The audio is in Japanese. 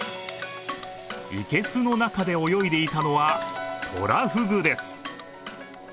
いけすの中で泳いでいたのはトラフグです